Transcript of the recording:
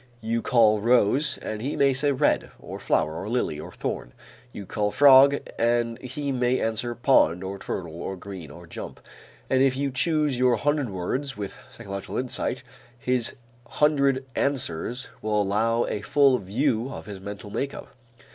You call rose, and he may say red or flower or lily or thorn; you call frog and he may answer pond or turtle or green or jump, and if you choose your hundred words with psychological insight, his hundred answers will allow a full view of his mental make up.